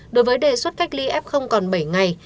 đối với đề xuất cách ly f còn bảy ngày